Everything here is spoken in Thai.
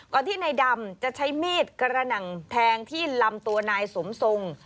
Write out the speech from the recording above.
ที่นายดำจะใช้มีดกระหน่ำแทงที่ลำตัวนายสมทรง